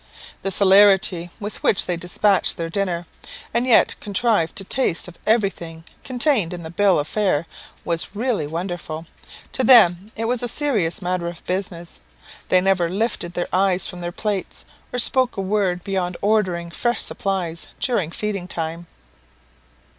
The celerity with which they despatched their dinner, and yet contrived to taste of everything contained in the bill of fare, was really wonderful. To them it was a serious matter of business; they never lifted their eyes from their plates, or spoke a word beyond ordering fresh supplies, during feeding time.